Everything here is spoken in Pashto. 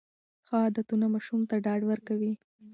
ښه عادتونه ماشوم ته ډاډ ورکوي.